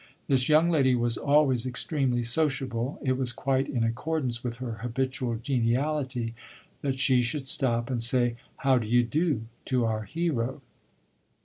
This young lady was always extremely sociable; it was quite in accordance with her habitual geniality that she should stop and say how d' ye do to our hero.